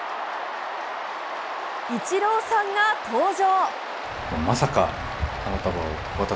イチローさんが登場！